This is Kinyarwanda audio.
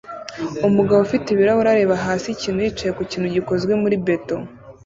Umugabo ufite ibirahure areba hasi ikintu yicaye ku kintu gikozwe muri beto